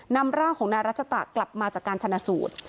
นำร่างของนายรัชตะกลับมาจากการชนะสูตร